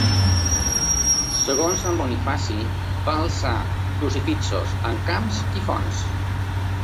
Segons Sant Bonifaci, va alçar crucifixos en camps i fonts.